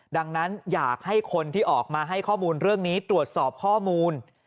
ดังนั้นอยากให้คนที่ออกมาให้ข้อมูลเรื่องนี้ตรวจสอบข้อมูล